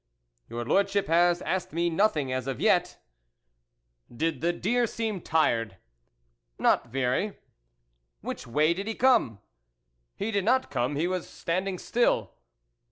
" Your Lordship has asked me nothing as yet." " Did the deer seem tired ?"" Not very." " Which way did he come ?"" He did not come, he was standing still."